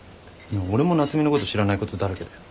俺も夏海のこと知らないことだらけだよ。